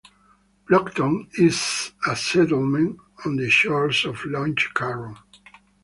Plockton is a settlement on the shores of Loch Carron.